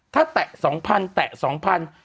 ถ้าแตะสองพันแตะสองพัน